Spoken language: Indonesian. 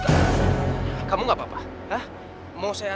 terima kasih papa